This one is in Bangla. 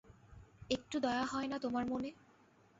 একটু দয়া হয় না তোমার মনে?